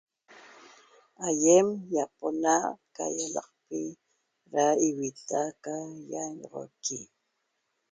Aiem llapona' ca ialaqpi ra ivitta ca yañoxoqui.